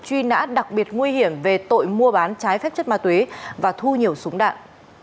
truy nã đặc biệt nguy hiểm về tội mua bán trái phép chất ma túy và thu nhiều súng đạn